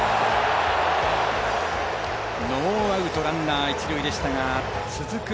ノーアウトランナー、一塁でしたが続く